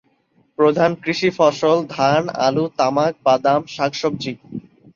প্রধান কৃষি ফসল ধান, আলু, তামাক, বাদাম, শাকসবজি।